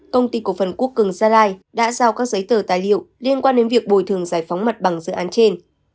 công ty cổ phần quốc cường gia lai đã giao các giấy tờ tài liệu liên quan đến việc bồi thường giải phóng mặt bằng dự án trên